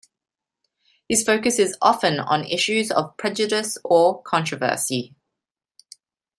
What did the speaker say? His focus is often on issues of prejudice or controversy.